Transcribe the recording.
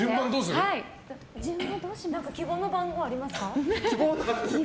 希望の番号ありますか？